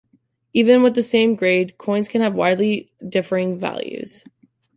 Even within the same grade, coins can have widely differing values.